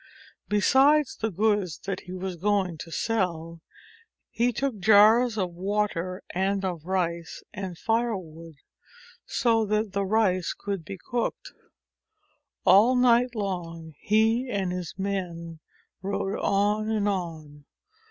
Besides the goods that he was going to sell, he took jars of water and of rice, and firewood, so that the rice could be cooked. All night long he and his men rode on and on.